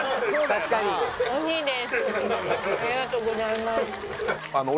確かにね